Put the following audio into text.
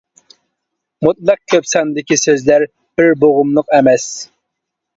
مۇتلەق كۆپ ساندىكى سۆزلەر بىر بوغۇملۇق ئەمەس.